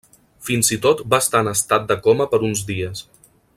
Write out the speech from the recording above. Fins i tot va estar en estat de coma per uns dies.